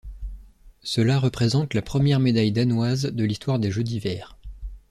Cela représente la première médaille danoise de l'histoire des Jeux d'hiver.